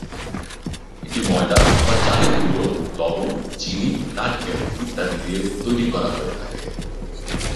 এটি ময়দা বা চালের গুঁড়ো, লবণ, চিনি, নারকেল ইত্যাদি দিয়ে তৈরী করা হয়ে থাকে।